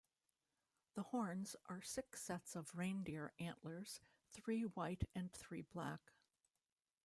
The "horns" are six sets of reindeer antlers, three white and three black.